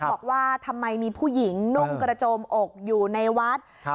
บอกว่าทำไมมีผู้หญิงนุ่งกระโจมอกอยู่ในวัด